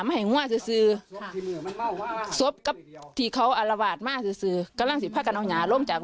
แมนค่ะ